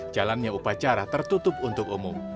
jalannya upacara tertutup untuk umum